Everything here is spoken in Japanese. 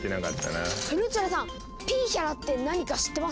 ルッチョラさん「ピーヒャラ」って何か知ってます？